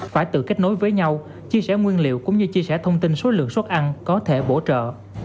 phải tự kết nối với nhau chia sẻ nguyên liệu cũng như chia sẻ thông tin số lượng suất ăn có thể bổ trợ